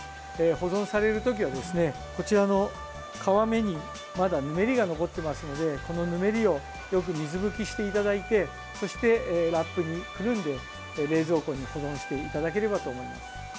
保存されるときはですねこちらの皮目にまだぬめりが残ってますのでこのぬめりをよく水拭きしていただいてそして、ラップにくるんで冷蔵庫に保存していただければと思います。